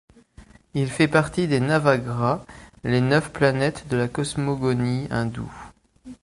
Il fait partie des Navagrha, les neuf planètes de la cosmogonie hindoue.